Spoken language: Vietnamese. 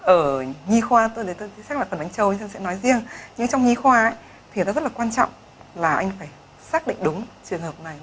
ở nhi khoa tôi sẽ nói riêng nhưng trong nhi khoa thì rất là quan trọng là anh phải xác định đúng trường hợp này